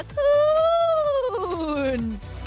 ขึ้น